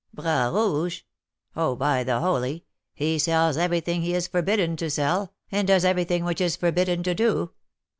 "Bras Rouge? Oh, by the Holy! he sells everything he is forbidden to sell, and does everything which it is forbidden to do.